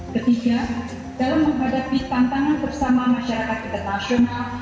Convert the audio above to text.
ketiga dalam menghadapi tantangan bersama masyarakat kita nasional